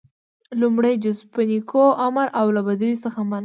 لومړی جز - په نيکيو امر او له بديو څخه منع: